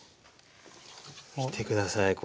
見て下さいこれ。